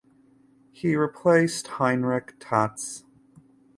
He replaced Heinrich Tats.